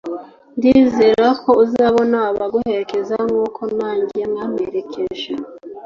ndizera ko uzabona abaguherekeza nk’uko nanjye mwamperekeje,